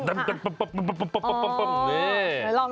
อ๋อเห็นไหมลอง